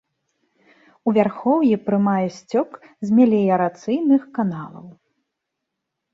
У вярхоўі прымае сцёк з меліярацыйных каналаў.